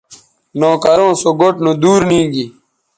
نوکروں سو گوٹھ نودور نیگی